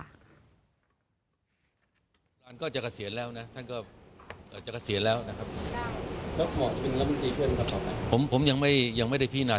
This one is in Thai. คุณนายการรัฐมนตรีค่ะคุณนายการรัฐมนตรีค่ะ